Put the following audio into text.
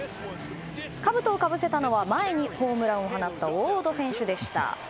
かぶとをかぶせたのは前にホームランを放ったウォード選手でした。